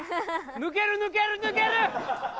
抜ける抜ける抜ける！